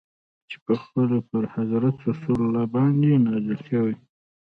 چي پخپله پر حضرت رسول ص باندي نازل سوی.